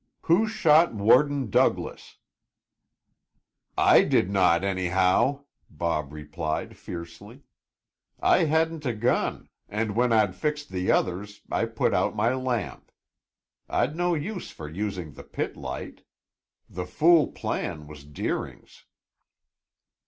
"Who shot warden Douglas?" "I did not, anyhow," Bob replied fiercely. "I hadn't a gun and when I'd fixed the others I put out my lamp. I'd no use for using the pit light. The fool plan was Deering's."